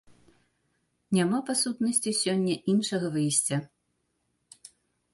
Няма па сутнасці сёння іншага выйсця.